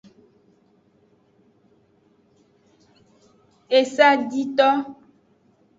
Esadito.